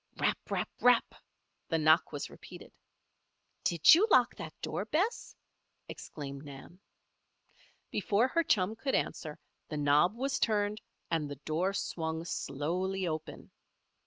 Rap! rap! rap! the knock was repeated. "Did you lock that door, Bess?" exclaimed Nan. Before her chum could answer, the knob was turned and the door swung slowly open.